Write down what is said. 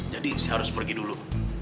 jadi saya harus pergi dulu